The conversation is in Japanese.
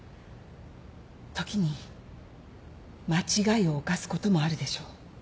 時に間違いを犯すこともあるでしょう。